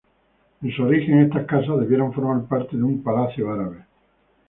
En su origen estas casas debieron formar parte de un palacio árabe.